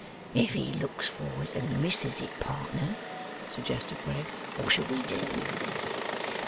'If he looks for it and misses it, partner,' suggested Wegg, 'what shall we do?